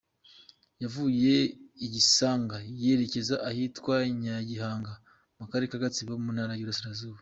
Yavuye i Gisanga yerekeza ahitwa Nyagihanga mu Karere ka Gatsibo mu Ntara y’Uburasirazuba.